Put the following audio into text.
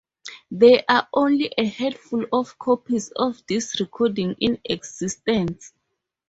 There are only a handful of copies of this recording in existence.